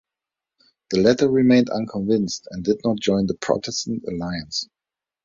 The latter remained unconvinced and did not join the Protestant alliance.